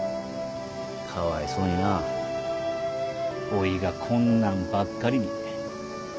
かわいそうになぁおぃがこんなんばっかりに。